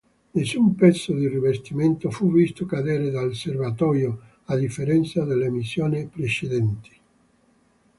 Nessun pezzo di rivestimento fu visto cadere dal serbatoio, a differenza delle missioni precedenti.